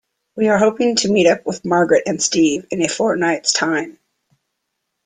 We are hoping to meet up with Margaret and Steve in a fortnight's time.